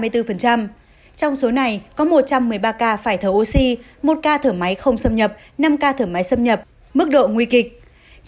trong số này có một trăm một mươi ba ca phải thở oxy một ca thở máy không xâm nhập năm ca thử máy xâm nhập mức độ nguy kịch